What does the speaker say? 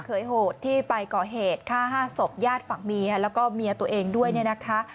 โหดที่ไปก่อเหตุฆ่า๕ศพญาติฝั่งเมียแล้วก็เมียตัวเองด้วยเนี่ยนะคะ